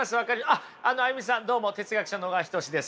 あっＡＹＵＭＩさんどうも哲学者の小川仁志です。